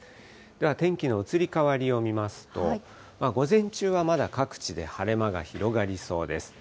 では天気の移り変わりを見ますと、午前中はまだ各地で晴れ間が広がりそうです。